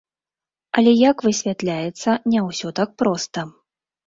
Але, як высвятляецца, не ўсё так проста.